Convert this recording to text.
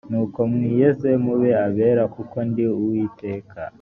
nuko mwiyeze mube abera kuko ndi uwiteka